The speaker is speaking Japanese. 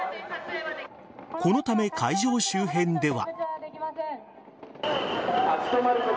このため、会場周辺では。